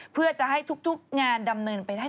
เพื่อจะให้ทุกงานดำเนินไปได้